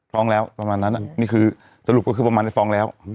ฟ้องแล้วประมาณนั้นนี่คือสรุปก็คือประมาณได้ฟ้องแล้ว